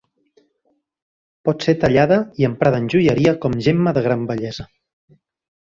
Pot ser tallada i emprada en joieria com gemma de gran bellesa.